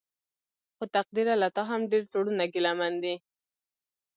خو تقديره له تا هم ډېر زړونه ګيلمن دي.